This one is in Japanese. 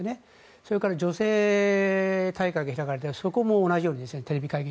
それから女性大会が開かれてそこも同じようにテレビ会議。